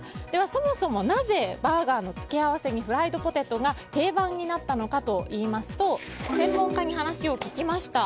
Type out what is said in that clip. そもそもなぜバーガーの付け合わせにフライドポテトが定番になったのかといいますと専門家に話を聞きました。